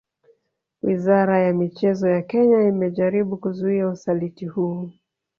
Wizara ya michezo ya Kenya imejaribu kuzuia usaliti huu